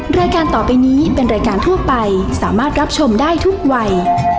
รายการต่อไปนี้เป็นรายการทั่วไปสามารถรับชมได้ทุกวัย